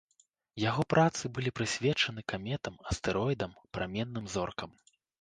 Яго працы былі прысвечаны каметам, астэроідам, пераменным зоркам.